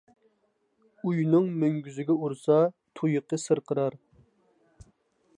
ئۇينىڭ مۈڭگۈزىگە ئۇرسا، تۇيىقى سىرقىرار.